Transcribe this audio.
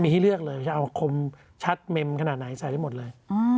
มีให้เลือกเลยจะเอาคมชัดเมมขนาดไหนใส่ได้หมดเลย